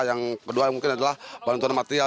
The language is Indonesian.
yang kedua mungkin adalah bantuan material